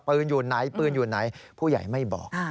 อยู่ไหนปืนอยู่ไหนผู้ใหญ่ไม่บอก